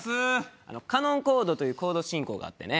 カノンコードというコード進行があってね。